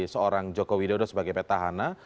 seorang joko widodo sebagai petahana